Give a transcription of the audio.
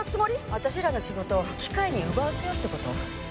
私らの仕事を機械に奪わせようってこと？